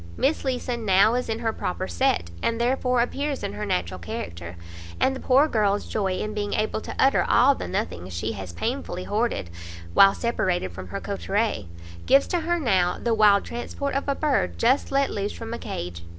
Miss Leeson now is in her proper set, and therefore appears in her natural character; and the poor girl's joy in being able to utter all the nothings she has painfully hoarded while separated from her coterie, gives to her now the wild transport of a bird just let loose from a cage.